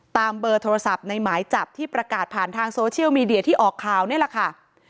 เบอร์โทรศัพท์ในหมายจับที่ประกาศผ่านทางโซเชียลมีเดียที่ออกข่าวนี่แหละค่ะ